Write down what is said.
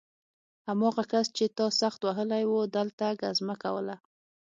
هماغه کس چې تا سخت وهلی و دلته ګزمه کوله